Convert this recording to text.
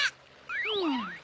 うん？